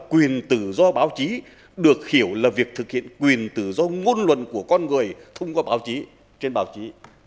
quyền tự do báo chí được hiểu là việc thực hiện quyền tự do ngôn luận của con người thu gom báo chí trên báo chí